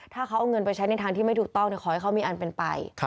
ถ้าเขาเอาเงินไปใช้ในทางที่ไม่ถูกต้องขอให้เขามีอันเป็นไป